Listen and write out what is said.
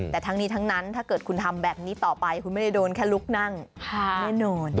แต่ทั้งนี้ทั้งนั้นถ้าเกิดคุณทำแบบนี้ต่อไปคุณไม่ได้โดนแค่ลุกนั่งแน่นอน